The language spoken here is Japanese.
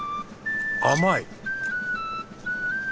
甘い！